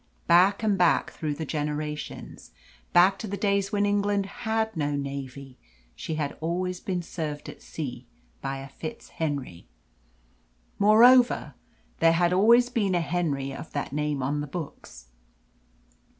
Back and back through the generations back to the days when England had no navy she had always been served at sea by a FitzHenry. Moreover, there had always been a Henry of that name on the books.